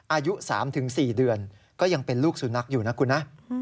อายุ๓๔เดือนก็ยังเป็นลูกสุนัขอยู่นะคุณนะ